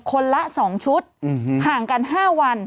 คนละ๒ชุดห่างกัน๕วัน